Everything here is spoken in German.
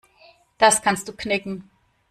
Das kannst du knicken.